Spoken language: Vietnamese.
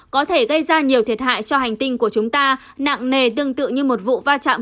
có thể gây ra nhiều thiệt hại cho hành tinh của chúng ta nặng nề tương tự như một vụ va chạm